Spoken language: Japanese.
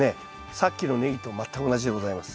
さっきのネギと全く同じでございます。